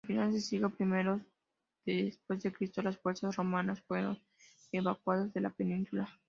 A finales del siglo primero dC, las fuerzas romanas fueron evacuadas de la península.